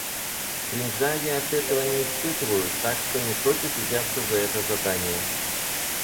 Кринжа я от этого не испытываю, так что не против взяться за это задание.